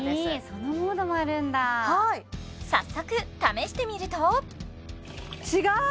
そのモードもあるんだはい早速試してみると違ー